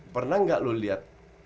pernah enggak lo lihat